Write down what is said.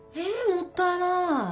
もったいない。